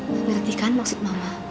ngerti kan maksud mama